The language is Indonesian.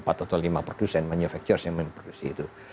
empat atau lima produsen manufaktur yang memproduksi itu